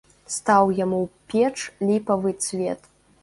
Стаў яму ў печ ліпавы цвет.